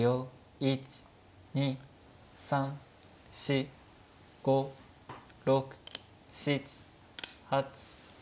１２３４５６７８。